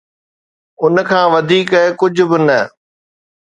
ان کان وڌيڪ ڪجھ به نه.